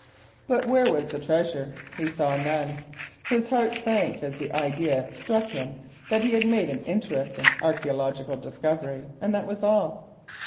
But where was the treasure? He saw none. His heart sank as the idea struck him that he had made an interesting archaeological discovery, and that was all.